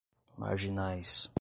marginais